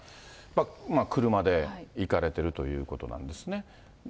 車で行かれてるということなんですね。